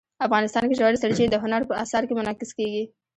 افغانستان کې ژورې سرچینې د هنر په اثار کې منعکس کېږي.